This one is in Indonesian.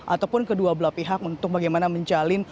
ataupun kedua belah pihak untuk bagaimana menjalin